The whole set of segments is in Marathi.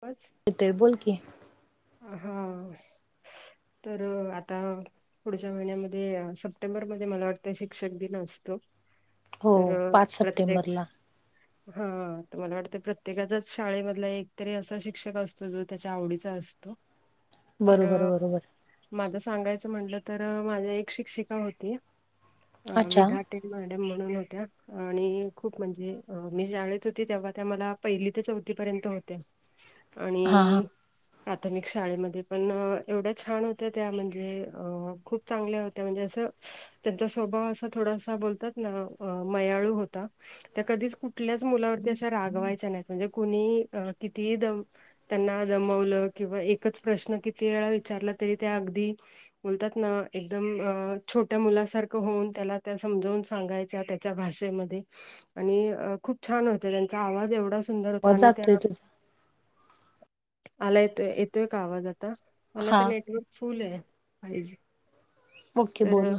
पाच येतोय बोल की. हा तर आता. पुढच्या महिन्यामध्ये सप्टेंबर मध्ये मला वाटतं शिक्षक दिन असतो. हो तर पाच प्रत्येक. सप्टेंबरला हा तर मला वाटतं प्रत्येकाचाच शाळेमधला एकतरी असा शिक्षक असतो जो त्याच्या आवडीचा असतो. तर. बरोबर बरोबर माझं सांगायचं म्हटलं तर माझी एक शिक्षिका होती अच्छा विध्या. मॅडम म्हणून होत्या. आणि खूप म्हणजे मी शाळेत होती तेव्हा त्या मला पहिली ते चौथी पर्यंत होत्या. हा हा आणि. प्राथमिक शाळेमध्ये पण एवढ्या छान होत्या त्या म्हणजे खूप. चांगल्या होत्या म्हणजे असं त्यांचा स्वभाव असा थोडासा बोलतात ना मयाळू होता. त्या कधीच कुठल्याच मुलावरती अशा रागवायच्या नाहीत म्हणजे कुणी किती दम. त्यांना जमवलं किंवा एकच प्रश्न किती वेळा विचारला तरी त्या अगदी. बोलतात ना एकदम अ छोट्या मुलासारखं होऊन त्याला त्या समजवून सांगायच्या त्या. भाषेमध्ये आणि खूप छान होते त्यांचा आवाज एवढा. सुंदर होत आवाज आणि जातोय त्या तुझा आला येतो येतोय का आवाज आता. मला हा तर नेटवर्क फुल आहे फायजी ओके बोल तर.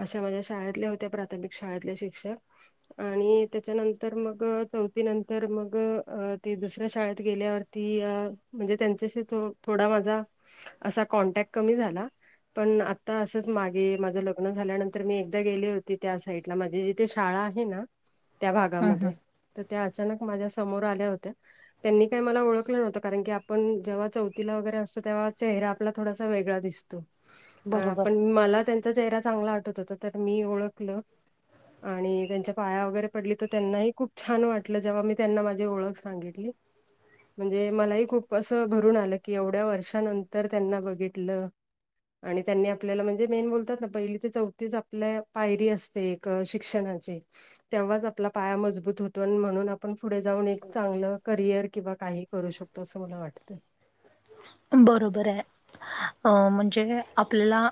अशा माझ्या शाळेतले होत्या प्राथमिक शाळेतले शिक्षक. आणि त्याच्यानंतर मग चौथीनंतर मग अ ते दुसऱ्या शाळेत गेल्यावर. ती म्हणजे त्यांच्याशी थोडा माझा असा कॉन्टॅक्ट कमी झाला. पण आता असंच मागे माझं लग्न झाल्यानंतर मी एकदा गेले होते त्या साईड. माझी जिथे शाळा आहे ना. ह. त्या भागामध्ये. तर त्या अचानक माझ्या समोर आल्या होत्या त्यांनी काही मला ओळखलं नव्हतं कारण की. पण जेव्हा चौथला वगैरे असतो तेव्हा चेहरा आपला थोडासा वेगळा दिसतो. बरोबर पण मला त्यांचा चेहरा चांगला आटत होता तर मी ओळखलं. आणि त्यांच्या पाया वगैरे पडली तर त्यांनाही खूप छान वाटलं जेव्हा मी त्यांना माझी ओळख. सांगितली म्हणजे मलाही खूप. असं भरून आलं की एवढ्या वर्षानंतर त्यांना बघितलं. आणि त्यांनी आपल्याला म्हणजे मेन बोलतात ना पहिली ते चौथीच आपल्या पायरी असते एक. शिक्षणाची. तेव्हाच आपला पाया मजबूत होतो आणि म्हणून आपण पुढे जाऊन एक चांगलं करियर किंवा काही करू शकतो. मला वाटतं. बरोबर आहे म्हणजे आपल्याला.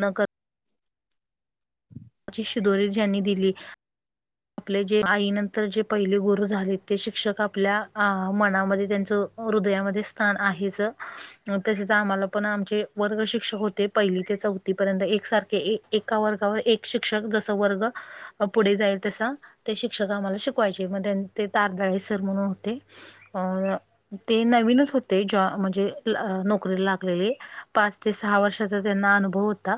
नक. अची शिदोरी ज्यांनी दिली. आपले जे आईनंतर जे पहिले गुरु झाले ते शिक्षक आपल्या मनामध्ये त्यांच. हृदयामध्ये स्थान आहेच. तसेच आम्हाला पण आमचे वर्ग शिक्षक होते पहिली ते चौथी पर्यंत एकसारखे. एका वर्गावर एक शिक्षक जस वर्ग पुढे जायल. तसा ते शिक्षक आम्हाला शिकवायचे म ते तारदाळे सर म्हणून होते. अ ते नवीनच होते ज म्हणजे नोकरीला लागलेले. पाच ते सहा वर्षाचा त्यांना अनुभव होता.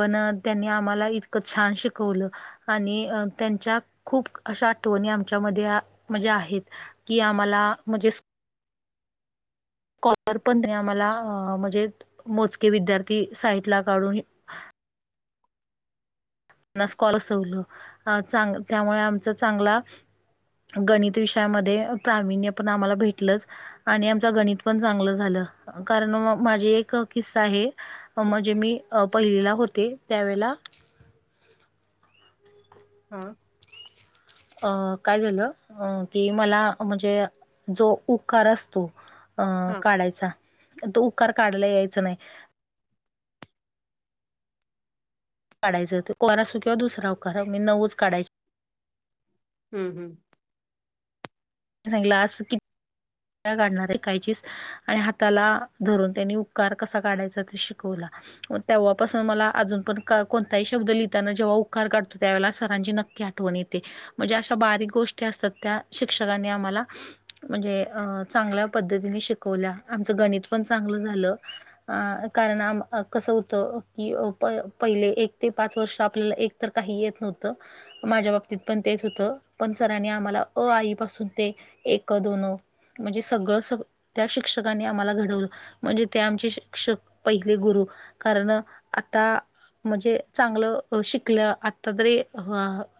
पण त्यांनी आम्हाला इतकं छान शिकवलं आणि. त्यांच्या खूप अशा आठवणी आमच्यामध्ये म्हणजे आहेत की आम्हाला म्हण स्ॉलर पण आम्हाला म्हणजे मोजके विद्यार्थी साईट ला काढून स् कॉलसवलं चां त्यामुळे आमचा चांगला गणित विषयामध्ये प्रावीण्य पण आम्हाला भेटलंच. आणि आमच गणित पण चांगलं झालं कारण माझी एक किस्सा आहे. म्हणजे मी पहिलेला होते त्यावेेळेला हो. हा. अ काय झालं अ की मला म्हणजे जो उकार असतो अ हा काढायचा तो उकार काढला यायच नाही. काढायं होरा अस कंवा दुसरावकारा मी नवच काढाच हम्म हम्म. सांगलास किती काढणार आहे कायचीस आणि हाताला धरून त्यांनी उकार कसा काढायचा ते शिकवला. तेव्हापासून मला अजून पण कोणताही शब्द लिहिताना जेव्हा उकार काढतो त्यावेळेला सरांजी नक्कीट ठ येते म्हणजे अशा बारीक गोष्टी असतात त्या शिक्षकांनी आम्हाला म्हणजे अ चांगल्या पद्धतीने शिकवल्या आमचं गणित पण चांगलं झालं. अ कारणम कसं होतं की पहिले एक ते पाच वर्ष आपल्याला एक तर काही येत नव्हत माझ्या बाबतीत पण तेच होतं पण सरांनी आम्हाला अ आई पासून ते एक दोन म्हणजे सगळं स त्या शिक्षकनी आम्हाला घडवलं. म्हणजे ते आमचे शिक्षक पहिले गुरु कारण आता म्हणजे चांगलं शिकलं आता तरी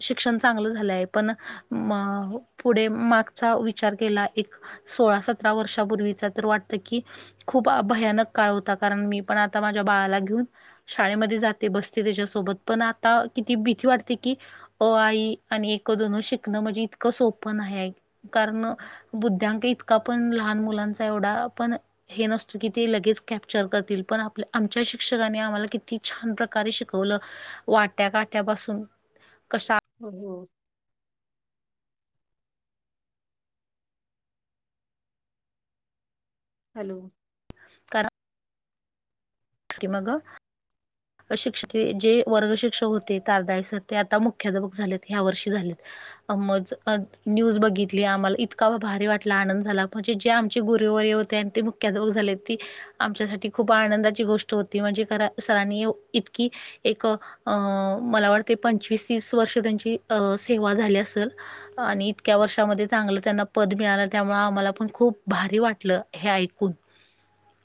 शिक्षण चांगलं झालं आहे पण म पुढे मागचा विचार केला एक सोळा सतरा वर्षापूर्वीचा तर वाटत की खूप भयानक काळ होता कारण मी पण आता माझ्या बाळाला घेऊन शाळेमध्ये जाते बसते त्याच्यासोबत पण आता किती भीती वाटते कि अ आई आणि एक दोन शिकणं म्हणजे इतकं सोप नाही हाय. कारण बुद्ध्यांक इतका पण लहान मुलांचा एवढा पण हे नसतं की ते लगेच कॅप्चर करतील पण आप आमच्या शिक्षकाने आम्हाला किती छान प्रकारे शिकवलं वाट्या काट्यापसून कश हो हो. हॅलो. कार क मग. अशिक्षित जे वर्ग शिक्षक होते तारदाळ सर ते आता मुख्याध्यापक झालेत ह्या वर्षी झालेत. ज न्यूज बघितली आम्हाला इतका भारी वाटला आनंद झाला म्हणजे जे आमचे गुरेवररे ते मुख्याधोक झाले ती आमच्यासाठी खूप आनंदाची गोष्ट होती म्हणजे करा सरनी इतकी एक अ मला वाटते पंचवीस तीस वर्ष त्यांची अ सेवा झाली असेल. आणि इतक्या वर्षामध्ये चांगलं त्यांना पद मिळालं त्यामुळे आम्हाला पण खूप भारी वाटलं हे ऐकून.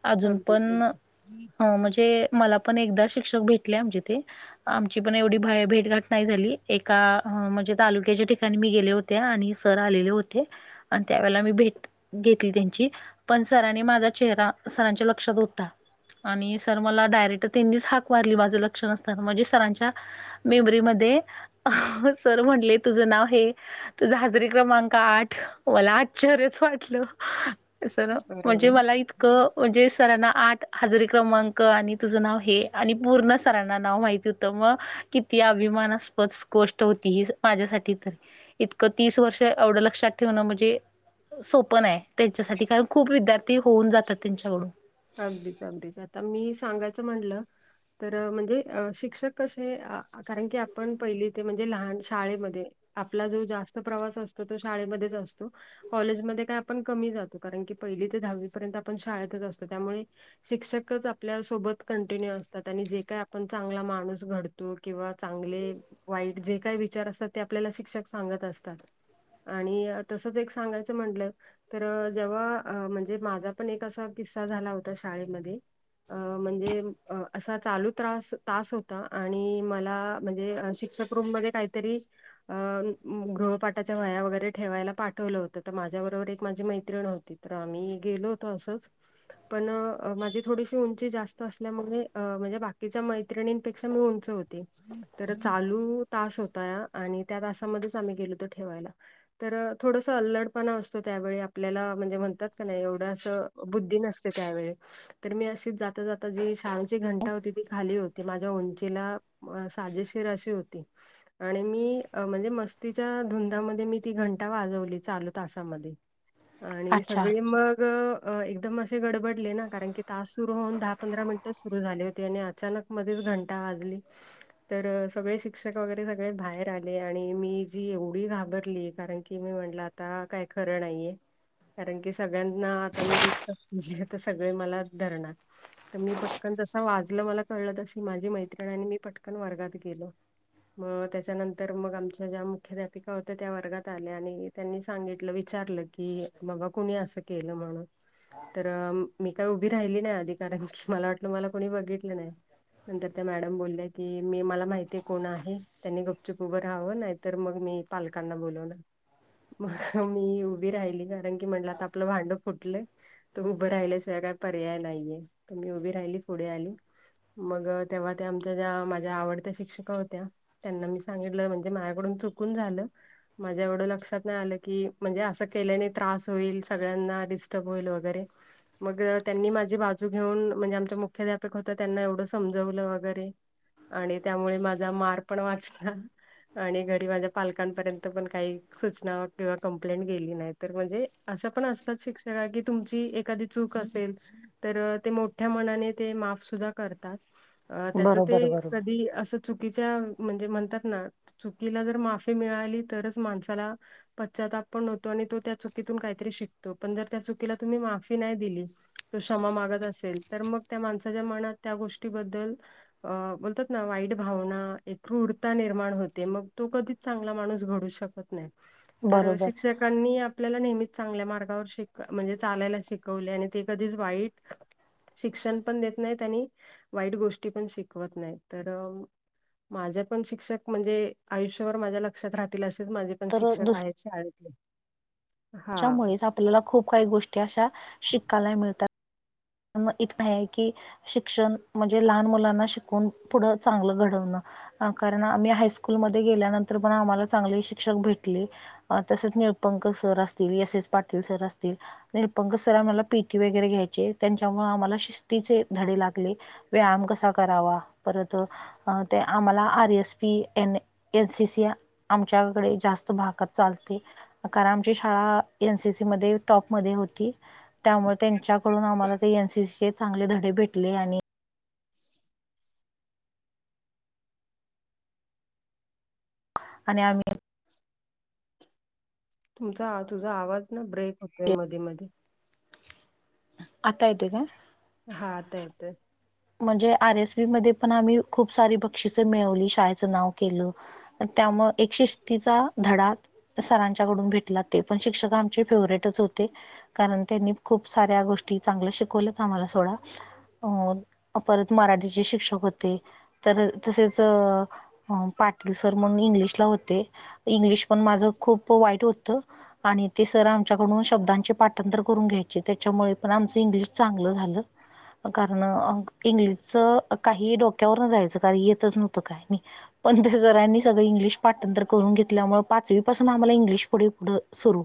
अजून पण अगदीच अगदी म्हणजे म पण एकदा शिक्क भेटले म्हमजे ते आमची पण एवढी भेटघाट नाही झाली एका म्हणजे तालुक्याच्या ठिकाणी मी गेले होते. आणि सर आलेले होते आणि त्यावेेळेला मी भेट घेतली त्यांची पण सरांने माझा चेहरा सरांच्या लक्षात होता. आणि सर मला डायरेक्ट तेनीच हाक मारली माझं लक्ष नसत म्हणजे सरांच्या मेबरीमध्ये सर म्हटले तुझं नाव हे. तुझा हजरी क्रमांक आठ मला आश्चर्यच वाटलं. सर म्हणजे बरोबर मला इतकं म्हणजे सरांना आठ हजरीे क्रमांक आणि तुझं नाव हे. आणि पूर्ण सरांना नाव माहिती होतं मग किती अभिमानास्पद गोष्ट होती ही माझ्यासाठी तर इतकं तीस वर्ष एवढं लक्षात ठेवणं म्हणजे सोप नाय, आहे त्यांच्यासाठी कारण खूप विद्यार्थी होऊन जातात त्यांच्याकडून अगदीच अगदीच आता मी सांगायचं म्हणलं. तर म्हणजे शिक्षक कसे कारण की आपण पहिली ते म्हणजे लहान शाळेमध्ये. आपला अजून जास्त प्रवास असतो तर शाळेमध्येच असतो. कॉलेजमध्ये काय आपण कमी जातो कारण की पहिली ते दहावी पर्यंत आपण शाळेतच असतो त्यामुळे शिक्षकच आपल्या सोबत कंटिन्यू असतात आणि जे काय आपण चांगला माणूस घड तो किंवा चांगले वाईट जे काय विचार असतात ते आपल्याला शिक्षक सांगत असतात. आणि तसंच एक सांगायचं म्हटलं. तर जेव्हा अ म्हणजे माझा पण एक असा किस्सा झाला होता शाळेमध्ये. अ म्हणजे असा चालू त्रास तास होता आणि मला म्हणजे शिक्षक रूम मध्ये काहीतरी अ गृहपाठाच्या वया वगैरे ठेवायला पाठवलं होतं तर माझ्याबरोबर एक माझी मैत्रिण होती. तर आम्ही गेलो होतो असंच. पण माझी थोडीशी उंची जास्त असल्यामुळे म्हणजे बाकीच्या मैत्रिणींपेक्षा मी उंच होते. तर चालू तास होता आणि त्या तासामध्येच आम्ही गेलतो ठेवायला. तर थोडस अल्लडपणा असतो त्यावेळी आपल्याला म्हणजे म्हणतात का नाही एवढं असं बुद्धी नसते त्यावेळी. तर मी अशीच जाता जाता जी शामची घंटा होती ती खाली होती माझ्या उंचीला साजेशीर अशी होती. आणि मी म्हणजे मस्तीच्या धुंदामध्ये मी ती घंटा वाजवली चालू तासामध्ये. [unintelligible] आणि अच्छा सगळे मग अ एकदम असे गडबडले ना कारण की तास सुरु होऊन दहा पंधरा मिनिटच सुरु झाले होते आणि आ अचानक मध्येच घंटा वाजली. तर सगळे शिक्षक वगैरे सगळे बाहेर आले आणि मी जी एवढी घाबरली कारण की की मी म्हंटलं आता काय खरं नाहीये कारण की सगळ्यांना आता मी डिस्टर्ब केलिय तर सगळे मला धरणार. तर मी पटकन जस वाजलं मला कळलं तशी माझी मैत्रिणी आणि मी पटकन वर्गात गेलो. मग त्याच्यानंतर मग आमच्या ज्या मुख्याध्यापिका होत्या त्या वर्गात आल्या आणि त्यांनी सांगितलं विचारलं की बाबा कुणी असं केलं म्हणून. तर मी काय उभी राहिली नाही आधी कारण की मला वाटलं मला कोणी बघितलं नाही. नंतर त्या मॅडम बोलल्या की मी मला माहिती आहे कोण आहे त्यांनी गपचुप उभं राहावं नाहीतर मग मी पलकांना बोलवनार. म मी उभी राहिली कारण की म्हटलं आता आपलं भांडं फुटलय. त उभं राहिल्याशिवाय काय पर्याय नाहीये, तर मी उभी राहिली पुढे आली. मग तेव्हा त्या आमच्या ज्या माझ्या आवडत्या शिक्षका होत्या. त्यांना मी सांगितलं म्हणजे माझ्याकडून चुकून झालं. माझ्या एवढं लक्षात नाही आलं की म्हणजे असं केल्याने त्रास होईल सगळ्यांना दिस डिस्टर्ब होईल वगैरे. मग त्यांनी माझी बाजू घेऊन म्हणजे आमच्या मुख्याध्यापक होत्या त्यांना एवढं समजवलं वगैरे. आणि त्यामुळे माझा मार पण वाचला. आणि घरी माझ्या पालकांपर्यंत पण काही सूचना किंवा कंप्लेंट गेली नाही. तर म्हणजे अस पण असतात शिक्षका की तुमची एखादी चूक असेल तर ते मोठ्या मनाने ते माफ सुुद्धा करतात. अ त्याच ते बरोबर बरोबर कधी अस चुकीच्या म्हणजे म्हणतात ना, चुकीला जर माफी मिळाली तरच माणसाला पश्चाताप पण होतो आणि तो त्या चुकीतून काहीतरी शिकतो पण जर त्या चुकीला तुम्ही माफी नाही दिली तो क्षमा मागत असेल तर मग त्या माणसाच्या मनात त्या गोष्टीबद्दल - - अ बोलतात ना वाईट भावना एक क्रूरता निर्माण होते. मग तो कधी चांगला माणूस घडू शकत नाही. तर बरोबर शिक्षकांनी आपल्याला नेहमीच चांगल्या मार्गावर शे - - म्हणजे चालायला शिकवले आणि ते कधीच वाईट - - शिक्षण पण देत नाहीत आणि वाईट गोष्टी पण शिकवत नाहीत. तर माझे पण शिक्षक म्हणजे आयुष्यावर माझ्या ल क्षात राहतील असेच माझे पण तर शिक्षक आहे शाळेतले. हा त्याच्यामुळेच आपल्याला खूप काही गोष्टी अशा शिकायला मिळतात. इथ हाय की शिक्षण म्हणजे लहान मुलांना शिकून पुढं चांगलं घडवणं. कारण आम्ही हायस्कूलमध्ये गेल्यानंतर पण आम्हाला चांगले शिक्षक भेटले. तसेच निळपंक सर असतील. एस एस पाटील सर असतील. निळपंंक सर आम्हाला पीटी वगैरे घ्यायचे. त्यांच्यामुळे आम्हाला शिस्तीचे धडे लागले. व्यायाम कसा करावा. परत ते आम्हाला R S P, N N C C - - आमच्याकडे जास्त भागात चालते. कारण आमची शाळा एन सी सी मध्ये टॉपमध्ये होती. त्यामुळं त्यांच्याकडून आम्हाला - - अशे चांगले धडे भेटले आणि आणि आम्ही तुमचा तुझा आवाज ना ब्रेक होतोय मध्ये मध्ये. आता येतोय काय? हा. आता येतोय. म्हणजे आर एस बी मध्ये पण आम्ही खूप सारी बक्षिस मिळवली. शाळेचं नाव केलं. त्यामुळं एक शिस्तीचा धडा- - सरांच्याकडून भेटला. ते पण शिक्षक आमचे फेवरेटच होते. कारण त्यांनी खूप साऱ्या गोष्टी चांगल्या शिकवल्या आम्हाला सोडा. अ - - परत मराठीचे शिक्षक होते. तर तसेच - - पाटिलू सर म्हणून इंग्लिशला होते. इंग्लिश पण माझ खूप वाईट होतं. आणि ते सर आमच्याकडून शब्दांचे पाठांतर करून घ्यायचे. त्याच्यामुळे पण आमचं इंग्लिश चांगलं झालं. कारण अ इंग्लिशच काही डोक्यावर न जायचं. काय येतच नव्हतं काय आणि. पण त्यासरांनी सगळं इंग्लिश पाठण तर करून घेतल्यामुळे पाचवी पासून आम्हाला इंग्लिश पुढे पुढं सुरू.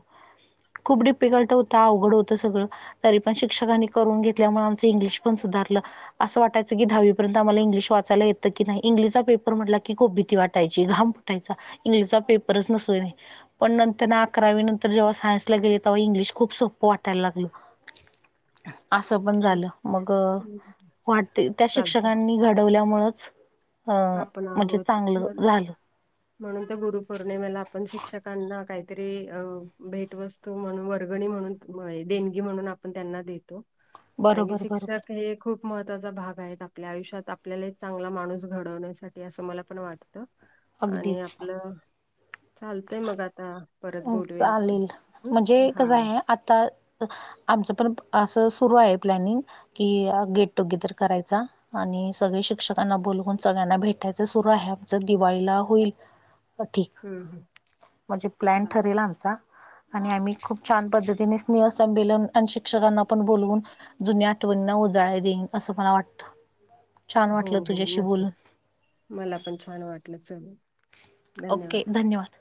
खूप डिफिकल्ट होत. अवघड होतं सगळं. तरी पण शिक्षकांनी करून घेतल्यामुळे आमचं इंग्लिश पण सुधारलं. असं वाटयं की दहावीपर्यंत आमाला इंग्लिश वाचायला येतं की नाही. इंग्लिशचा पेपर म्हटला की खुप भीती वाट - - ायची घाम फटायचा इंग्लिशचा पेपरच नसुनय. पण नंतरन अकरावी नंतर जेव्हा सान्यसला गेले तवा इंग्लिश खूप सोपं वाटायला लागल. आसं पण ठीक झालं. मग - - वाटते त्या चालतय शिक्षकांनी घडवल्यामुळच आपण आहोत बर. म्हणून तर गुरु पौर्णिमेला आपण शिक्षकांना काहीतरी अ भेटवस्तु म्हणून वर्गणी म्हणून देणगी म्हणून आपण त्यांना देतो. कारण की बरोबर बरोबर शिक्षक हे खूप महत्त्वाचा भाग आहेत. आपल्या आयुष्यात आपल्याला एक चांगला माणूस - - घडवण्यासाठी अस मला पण वाटत आणि अगदीच. आपलं - - चालतय मग आता परत बोलूया आपण. चालेल म्हणजे कसं हा. आहे आता आमचं पण असं सुरू आहे प्लॅनिंग. कि गेट टुगेदर करायचा. आणि सगळे शिक्षकांना बोलवून सगळ्यांना भेटायचं सुरू आहे. [unintelligible] दिवाळीला होईल. ह ठीक. हम्म हम्म म्हणजे प्लॅन चालेल ठरेल आ - - मचा आणि आम्ही खूप छान पद्धतीने स्नेह संमेलन आणि शिक्षकांना पण बोलवून - - जुन्या आठवणींना उजाळ्या देईन असं मला वाटतं छान हो वाटलं हो तुझ्याशी बोल नक्कीच मला पण छान वाटलं चल धन्यवाद. ओके. धन्यवाद.